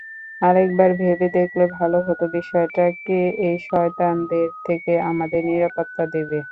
আরেকবার ভেবে দেখলে ভালো হতো বিষয়টা কে এই শয়তানদের থেকে আমাদের নিরাপত্তা দেবে?